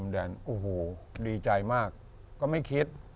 ดีใจมากก็ไม่คิด